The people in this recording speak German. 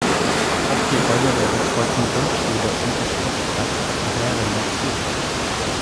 Auch die Räume der betreuten Grundschule und des Sportplatzes gehören dazu.